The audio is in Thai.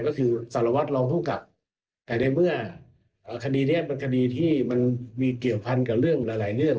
ก็คือสารวัตรรองผู้กลับแต่ในเมื่อคดีนี้เป็นคดีที่มันมีเกี่ยวพันกับเรื่องหลายเรื่อง